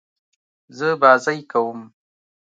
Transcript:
زه بازۍ کوم.